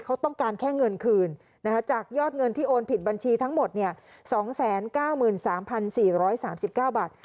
เขาต้องการแค่เงินคืนจากยอดเงินที่โอนผิดบัญชีทั้งหมด๒๙๓๔๓๙บาท